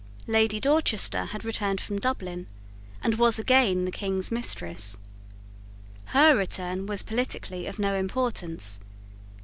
Lady Dorchester had returned from Dublin, and was again the King's mistress. Her return was politically of no importance.